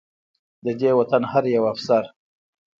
د دې وطن هر يو افسر